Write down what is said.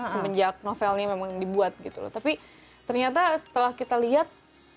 semenjak novelnya memang dibuat gitu loh tapi ternyata setelah kita lihat